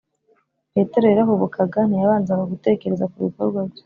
petero yarahubukaga; ntiyabanzaga gutekereza ku bikorwa bye